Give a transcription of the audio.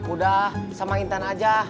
udah sama intan aja